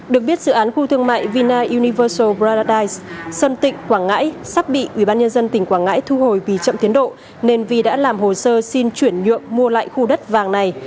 được biết dự án khu thương mại vina universal bradise sơn tịnh quảng ngãi sắp bị ubnd tỉnh quảng ngãi thu hồi vì chậm tiến độ nên vi đã làm hồ sơ xin chuyển nhượng mua lại khu đất vàng này